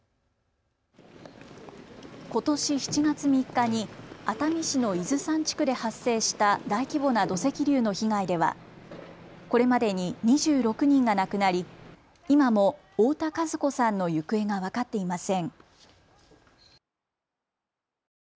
ことし７月３日に熱海市の伊豆山地区で発生した大規模な土石流の被害ではこれまでに２６人が亡くなり今も太田和子さんの行方が分かっていません。